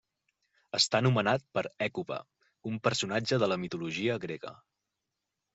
Està nomenat per Hècuba, un personatge de la mitologia grega.